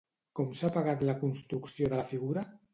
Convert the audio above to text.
Com s'ha pagat la construcció de la figura?